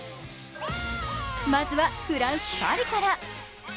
まずはフランス・パリから。